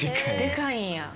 でかいんや。